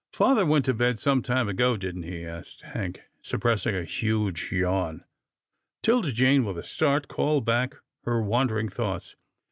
" Father went to bed some time ago, didn't he? " asked Hank, suppressing a huge yawn. 'Tilda Jane, with a start, called back her wan dering thoughts.